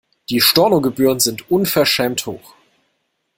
Die Stornogebühren sind unverschämt hoch.